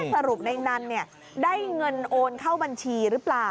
สรุปในนั้นได้เงินโอนเข้าบัญชีหรือเปล่า